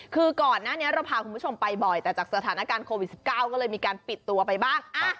คือก่อนหน้านี้เราพาคุณผู้ชมไปบ่อยแต่จากสถานการณ์โควิด๑๙ก็เลยมีการปิดตัวไปบ้าง